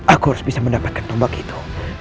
aku harus bisa mendapatkan tombak itu